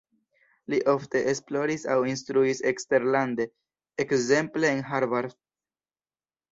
Li ofte esploris aŭ instruis eksterlande, ekzemple en Harvard.